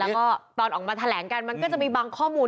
แล้วก็ตอนออกมาแถลงกันมันก็จะมีบางข้อมูล